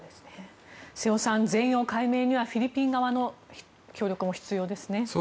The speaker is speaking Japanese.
瀬尾さん、全容解明にはフィリピン側の協力も必要ですね。